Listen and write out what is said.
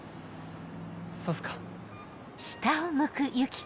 そうっすか。